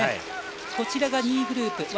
こちらが２位グループ。